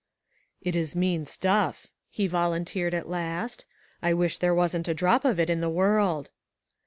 " It is mean stuff," he volunteered at last. " I wish there wasn't a drop of it in the world."